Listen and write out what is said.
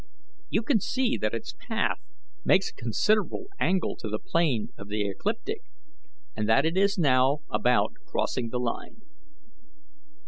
You can see that its path makes a considerable angle to the plane of the ecliptic, and that it is now about crossing the line."